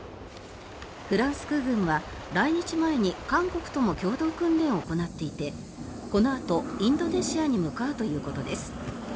フランス空軍は来日前に韓国とも共同訓練を行っていてこのあとインドネシアに向かうということです。